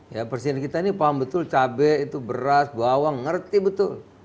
ya presiden kita ini paham betul cabai itu beras bawang ngerti betul